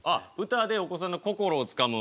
歌でお子さんの心をつかむ。